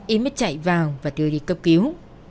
y mới chạy vào và đưa đi cấp cứu